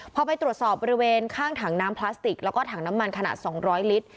พอไปตรวจสอบบริเวณข้างถังน้ำพลาสติกแล้วก็ถังน้ำมันขนาด๒๐๐ลิตร